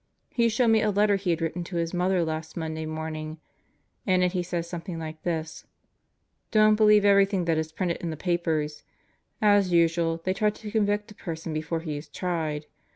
He showed me a letter he had written to his mother last Monday morning. In it he said something like this: 'Don't believe every thing that is printed in the papers. As usual, they try to convict a person before he is tried.